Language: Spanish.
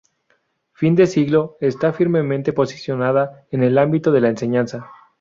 Fin de Siglo está firmemente posicionada en el ámbito de la enseñanza.